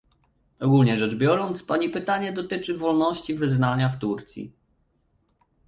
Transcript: Ogólnie rzecz biorąc, pani pytanie dotyczy wolności wyznania w Turcji